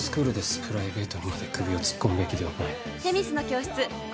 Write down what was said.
プライベートにまで首を突っ込むべきではない。